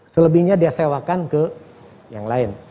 selebihnya disewakan ke yang lain